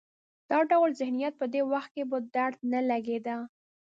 دا ډول ذهنیت په دې وخت کې په درد نه لګېده.